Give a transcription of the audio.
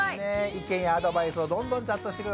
意見やアドバイスをどんどんチャットして下さい。